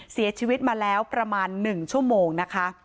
เสียชีวิตมาแล้วประมาณ๑ชั่วโมงนะคะ